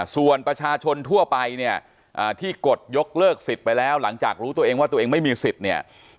ส่วนประชาชนทั่วไปเนี่ยที่กดยกเลิกสิทธิ์ไปแล้วหลังจากรู้ตัวเองว่าตัวเองไม่มีสิทธิ์เนี่ย